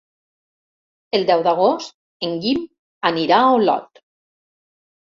El deu d'agost en Guim anirà a Olot.